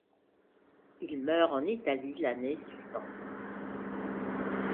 Il meurt en Italie l'année suivante.